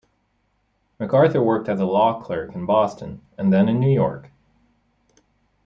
MacArthur worked as a law clerk in Boston and then New York.